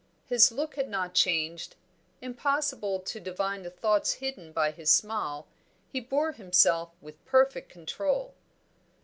His look had not changed. Impossible to divine the thoughts hidden by his smile; he bore himself with perfect control.